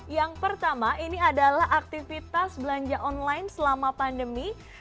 yang pertama ini adalah aktivitas belanja online selama pandemi